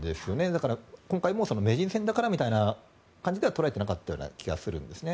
だから今回も名人戦だからみたいな感じでは捉えてなかった気がするんですね。